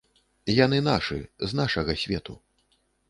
Яны нашы, з нашага свету.